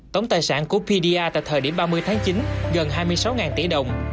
tống tài sản của pdr tại thời điểm ba mươi tháng chín gần hai mươi sáu tỷ đồng